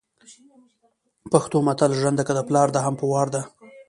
پښتو متل ژرنده که دپلار ده هم په وار ده